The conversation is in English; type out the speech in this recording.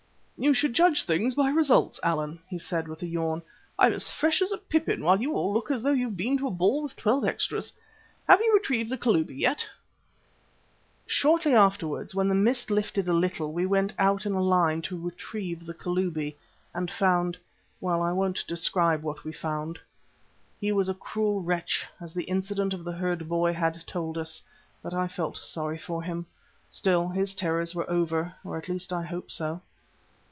"You should judge things by results, Allan," he said with a yawn. "I'm as fresh as a pippin while you all look as though you had been to a ball with twelve extras. Have you retrieved the Kalubi yet?" Shortly afterwards, when the mist lifted a little, we went out in a line to "retrieve the Kalubi," and found well, I won't describe what we found. He was a cruel wretch, as the incident of the herd boy had told us, but I felt sorry for him. Still, his terrors were over, or at least I hope so.